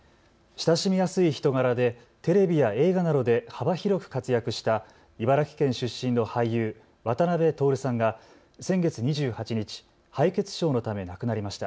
親しみやすい人柄でテレビや映画などで幅広く活躍した茨城県出身の俳優、渡辺徹さんが先月２８日、敗血症のため亡くなりました。